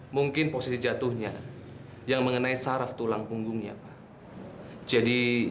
mungkin posisi jatuhnya yang mengenai saraf tulang punggungnya pak